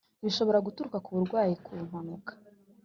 Bishobora guturuka ku burwayi, ku mpanuka